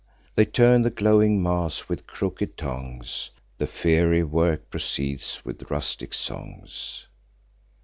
They turn the glowing mass with crooked tongs; The fiery work proceeds, with rustic songs.